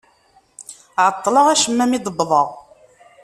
Ɛeṭṭleɣ acemma mi d-wwḍeɣ.